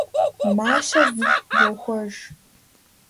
Мащэр зытӀ йохуэж.